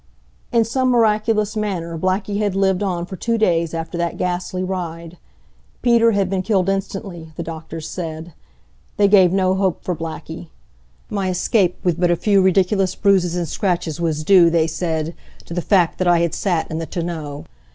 In some miraculous manner Blackie had lived on for two days after that ghastly ride. Peter had been killed instantly, the doctors said. They gave no hope for Blackie. My escape with but a few ridiculous bruises and scratches was due, they said, to the fact that I had sat in the tonneau.